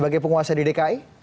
ada penguasa di dki